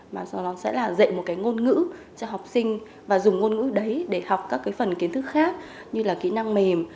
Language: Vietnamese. mà sẽ là dạy một ngôn ngữ cho học sinh và dùng ngôn ngữ đấy để học các phần kiến thức khác như kỹ năng mềm